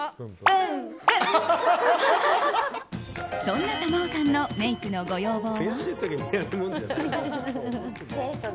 そんな珠緒さんのメイクのご要望は。